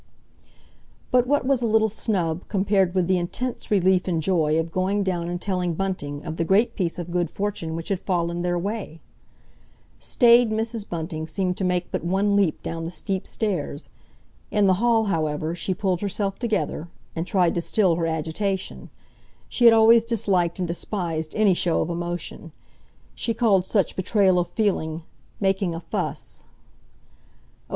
But what was a little snub compared with the intense relief and joy of going down and telling Bunting of the great piece of good fortune which had fallen their way? Staid Mrs. Bunting seemed to make but one leap down the steep stairs. In the hall, however, she pulled herself together, and tried to still her agitation. She had always disliked and despised any show of emotion; she called such betrayal of feeling "making a fuss."